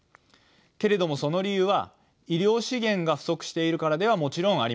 けれどもその理由は医療資源が不足しているからではもちろんありません。